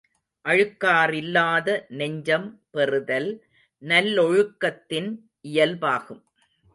அழுக்காறில்லாத நெஞ்சம் பெறுதல் நல்லொழுக்கத்தின் இயல்பாகும்.